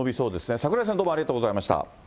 櫻井さん、どうもありがとうございました。